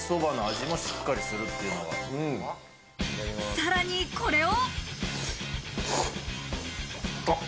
さらにこれを。